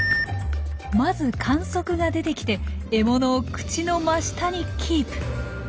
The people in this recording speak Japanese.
まず管足が出てきて獲物を口の真下にキープ。